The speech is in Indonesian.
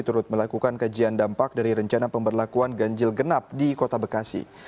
turut melakukan kajian dampak dari rencana pemberlakuan ganjil genap di kota bekasi